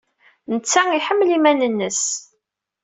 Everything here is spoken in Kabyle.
Nettat tḥemmel iman-nnes.